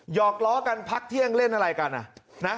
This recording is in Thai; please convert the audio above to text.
อกล้อกันพักเที่ยงเล่นอะไรกัน